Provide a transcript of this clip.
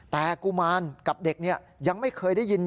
แต่กุมารกับเด็กเนี่ยยังไม่เคยได้ยิน